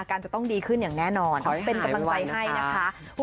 การจะต้องดีขึ้นอย่างแน่นอนขอเป็นกำลังใจให้นะคะ